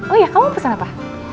oh ya kamu pesan apa